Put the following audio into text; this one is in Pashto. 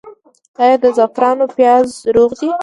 آیا د زعفرانو پیاز روغ دي؟